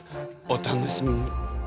お楽しみに。